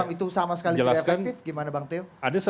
itu sama sekali tidak efektif gimana bang teo